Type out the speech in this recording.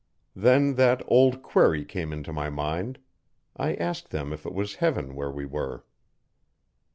Then that old query came into my mind. I asked them if it was heaven where we were.